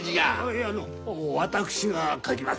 いや私が書きます。